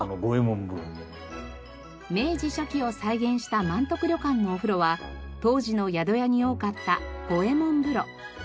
明治初期を再現した万徳旅館のお風呂は当時の宿屋に多かった五右衛門風呂。